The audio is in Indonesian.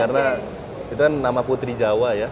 karena itu kan nama putri jawa ya